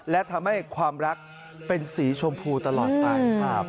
และทำให้ความรักเป็นสีชมพูตลอดไป